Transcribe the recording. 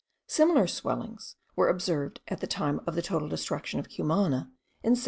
Similar swellings were observed at the time of the total destruction of Cumana, in 1766.